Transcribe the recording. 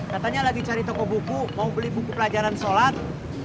katanya lagi cari toko buku mau beli buku pelajaran sholat